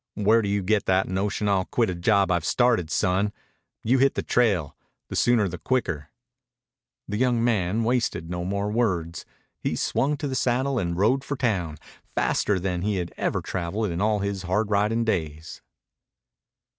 "Where do you get that notion I'll quit a job I've started, son? You hit the trail. The sooner the quicker." The young man wasted no more words. He swung to the saddle and rode for town faster than he had ever traveled in all his hard riding days.